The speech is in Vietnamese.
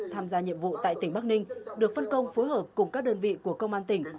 tham gia nhiệm vụ tại tỉnh bắc ninh được phân công phối hợp cùng các đơn vị của công an tỉnh